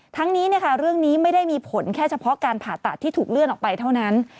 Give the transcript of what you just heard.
ทั้งนี้เรื่องนี้ไม่ได้มีผลแค่เฉพาะการผ่าตัดที่ถูกเลื่อนออกไปเท่านั้น